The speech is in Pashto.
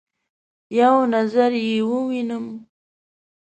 یو نظر يې ووینم